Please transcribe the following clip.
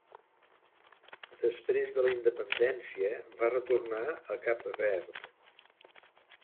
Després de la independència va retornar a cap Verd.